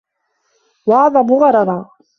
وَأَعْظَمُ غَرَرًا